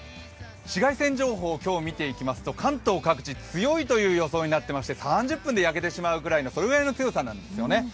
紫外線情報、今日見ていきますと、関東各地強いと出ていまして３０分で焼けてしまうくらいの強さなんですよね。